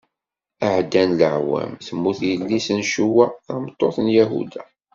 Ɛeddan leɛwam, temmut yelli-s n Cuwaɛ, tameṭṭut n Yahuda.